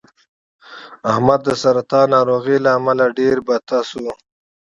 احمد د سرطان ناروغۍ له امله ډېر بته شو